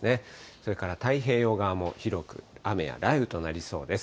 それから太平洋側も広く雨や雷雨となりそうです。